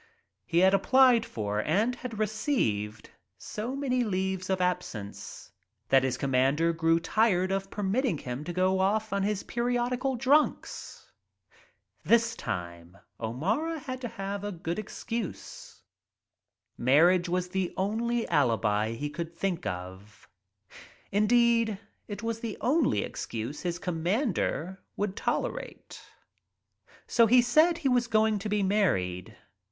He had applied for and had reecived so many leaves of absence that his commander grew tired of . 66 WHISKEY FUMES *» permitting him to go off on his periodical drunks. This time O'Mara had to have a good excuse. Marriage was the only alibi he could think of. In deed, it was the only excuse his commander would Se he said he was going to be married.